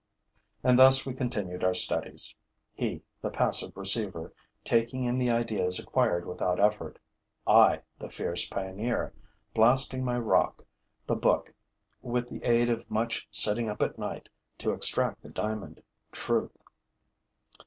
And thus we continued our studies: he, the passive receiver, taking in the ideas acquired without effort; I, the fierce pioneer, blasting my rock, the book, with the aid of much sitting up at night, to extract the diamond, truth.